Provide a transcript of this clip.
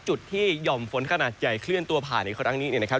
จุดที่หย่อมฝนขนาดใหญ่เคลื่อนตัวผ่านในครั้งนี้เนี่ยนะครับ